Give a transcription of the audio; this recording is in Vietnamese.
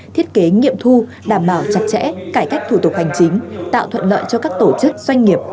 thiết kế nghiệm thu đảm bảo chặt chẽ cải cách thủ tục hành chính tạo thuận lợi cho các tổ chức doanh nghiệp